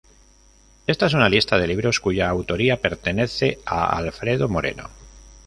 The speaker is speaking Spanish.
Esta es una lista de libros cuya autoría pertenece a Alfredo Moreno.